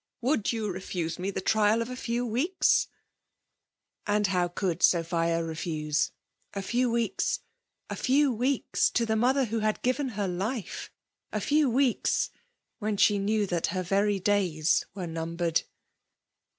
Will you refuse me the trial of a few we^ks ?" And how could Sophia refuse ? A few weeks — a few weeks to the mother who had given her life !— A few weeks, when she knew that her very days were numbered